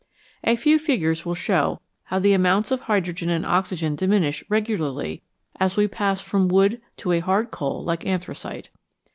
A few figures will show how the amounts of hydrogen and oxygen diminish regularly as we pass from wood to a hard coal like anthracite.